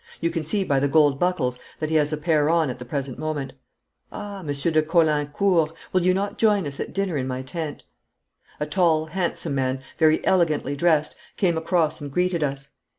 You can see by the gold buckles that he has a pair on at the present moment. Ah, Monsieur de Caulaincourt, will you not join us at dinner in my tent?' A tall, handsome man, very elegantly dressed, came across and greeted us.